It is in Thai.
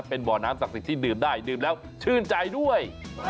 เป็นบ่อน้ำศักดิ์สิทธิ์ดื่มได้ดื่มแล้วชื่นใจด้วย